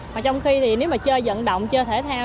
mà trong khi thì nếu mà chơi dẫn động chơi thể thao